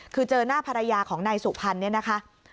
คือเจอหน้าภรรยาของนายสุพรรณเนี่ยนะคะ